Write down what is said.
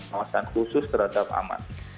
awasan khusus terhadap aman